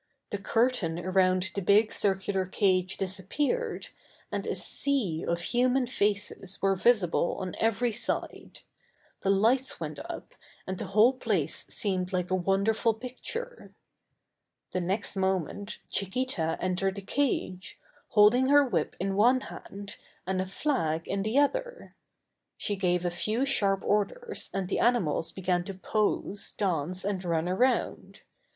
The curtain around the big circular cage disappeared, and a sea of human faces were visible on every side. The lights went up, and the whole place seemed like a wonder ful picture. The next moment Chiquita entered the cage, holding her whip in one hand and a flag in the other. She gave a few sharp orders and the animals began to pose, dance and run around.